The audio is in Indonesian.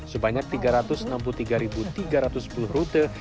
sebanyak tiga ratus enam puluh tiga tiga ratus sepuluh rute